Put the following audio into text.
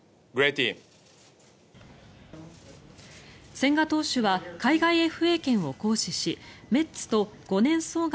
千賀投手は海外ＦＡ権を行使しメッツと５年総額